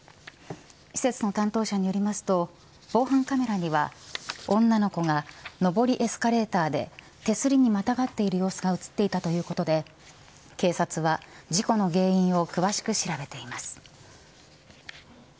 施設の担当者によりますと防犯カメラには女の子が、上りエスカレーターで手すりにまたがっている様子が映っていたということで警察は事故の原因を詳しく調べています。